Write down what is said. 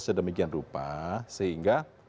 sedemikian rupa sehingga